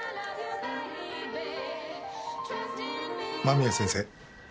間宮先生？